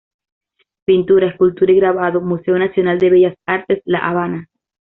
Pintura, escultura y grabado, Museo Nacional de Bellas Artes, La Habana.